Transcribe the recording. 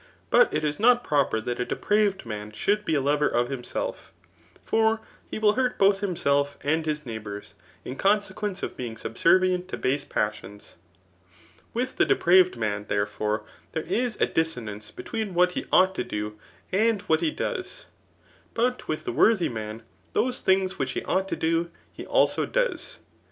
But it is not proper that a depraved man should be a lover of himself ; for he will hurt both hiflMelf and lus neighbours, in consequence of bdhg subservient to base passions. With the depraved man, therefore, there is a dissonance between what he ought to do, and what he does ; but wUh the worthy man^ those tfdngs "which he ought to dOf he also does.